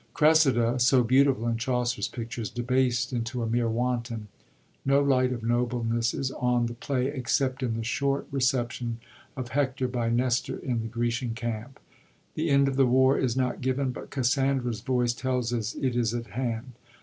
Cressida, so beautiful in Chaucer's picture, is debased into a mere wanton. No light of nobleness is on the play except in the short reception of Hector by Nestor in the (Grrecian camp. The end of the war is not given ; but Cassandra's voice tells us it is at hand.